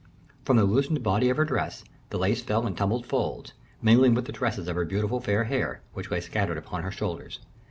From the loosened body of her dress, the lace fell in tumbled folds, mingling with the tresses of her beautiful fair hair, which lay scattered upon her shoulders.